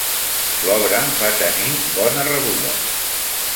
L'obra va tenir bona rebuda.